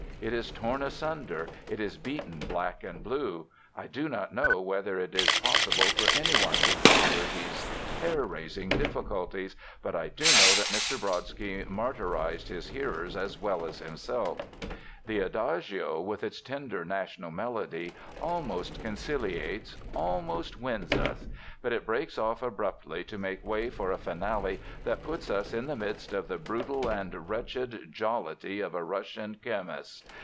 It is torn asunder. It is beaten black and blue. I do not know whether it is possible for any one to conquer these hair raising difficulties, but I do know that Mr. Brodsky martyrized his hearers as well as himself. "The Adagio, with its tender national melody, almost conciliates, almost wins us. But it breaks off abruptly to make way for a finale that puts us in the midst of the brutal and wretched jollity of a Russian kermess.